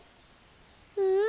うん？